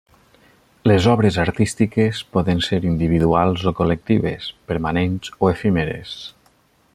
Les obres artístiques poden ser individuals o col·lectives, permanents o efímeres.